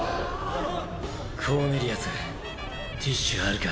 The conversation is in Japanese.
コーネリアスティッシュあるか？